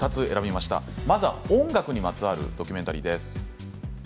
まずは音楽にまつわるドキュメンタリーです。